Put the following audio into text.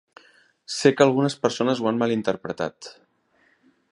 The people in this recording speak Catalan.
Sé que algunes persones ho han malinterpretat.